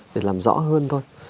để làm rõ hơn thôi